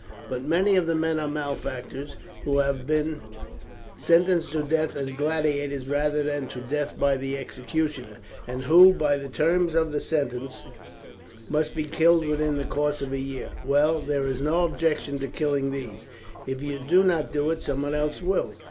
But many of the men are malefactors, who have been sentenced to death as gladiators rather than to death by the executioner, and who, by the terms of the sentence, must be killed within the course of a year. Well, there is no objection to killing these; if you do not do it, someone else will.